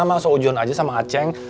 masuk ujuan aja sama aceng